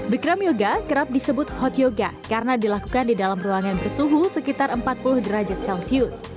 bikram yoga kerap disebut hot yoga karena dilakukan di dalam ruangan bersuhu sekitar empat puluh derajat celcius